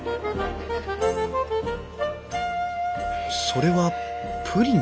それはプリンかい？